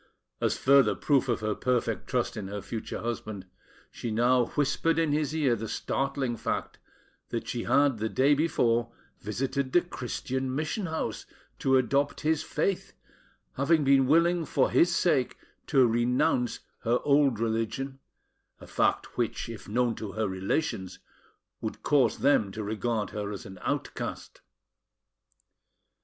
As a further proof of her perfect trust in her future husband, she now whispered in his ear the startling fact that she had the day before visited the Christian mission house, to adopt his faith, having been willing for his sake to renounce her old religion, a fact which, if known to her relations, would cause them to regard her as an outcast.